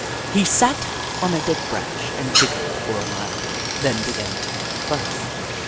He sat on a dead branch and giggled for a while, then began to make fun of her.